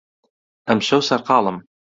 ئەمشەو سەرقاڵم.